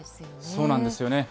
そうなんですよね。